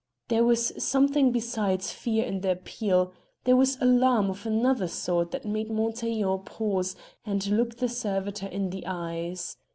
There was something besides fear in the appeal, there was alarm of another sort that made Montaiglon pause and look the servitor in the eyes.